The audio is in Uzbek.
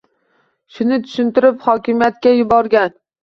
Shuni tushuntirib hokimiyatga yuborgan.